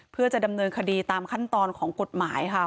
เพื่อจะดำเนินคดีตามขั้นตอนของกฎหมายค่ะ